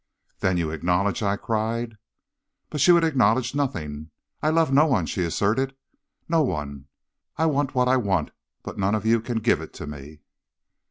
"'Then you acknowledge ' I cried. "But she would acknowledge nothing. 'I love no one,' she asserted, 'no one. I want what I want, but none of you can give it to me.'